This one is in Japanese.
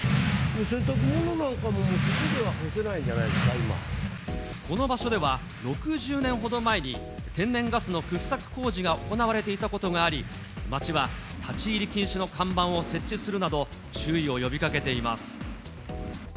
洗濯物なんかも外では干せなこの場所では、６０年ほど前に天然ガスの掘削工事が行われていたことがあり、町は立ち入り禁止の看板を設置するなど、注意を呼びかけています。